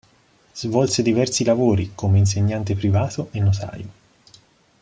Svolse diversi lavori come insegnante privato e notaio.